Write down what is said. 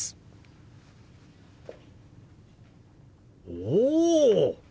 おお！